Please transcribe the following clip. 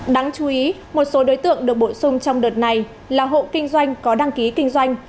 đáng chú ý một số đối tượng được bổ sung trong đợt này là hộ kinh doanh có đăng ký kinh doanh